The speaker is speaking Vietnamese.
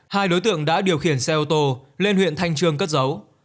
hai đối tượng đã điều khiển xe ô tô lên huyện thanh trương cất giấu